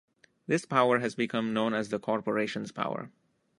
This power has become known as "the corporations power".